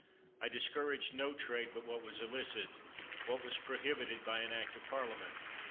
I discouraged no trade but what was illicit, what was prohibited by an act of Parliament.